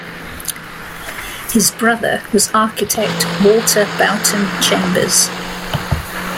His brother was architect Walter Boughton Chambers.